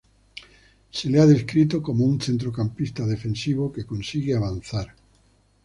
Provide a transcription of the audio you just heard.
Se le ha descrito como un centrocampista defensivo que consigue avanzar.